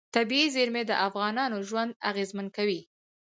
طبیعي زیرمې د افغانانو ژوند اغېزمن کوي.